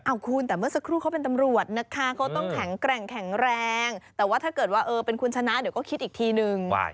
เอาคุณแต่เมื่อสักครู่เขาเป็นตำรวจนะคะเขาต้องแข็งแกร่งแข็งแรงแต่ว่าถ้าเกิดว่าเออเป็นคุณชนะเดี๋ยวก็คิดอีกทีนึง